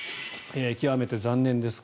極めて残念です。